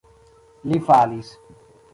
Li falis.